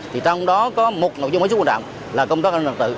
trong đó có một nội dung mối xúc quan trọng là công tác an toàn tự